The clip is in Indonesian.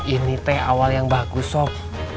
ini teh awal yang bagus sok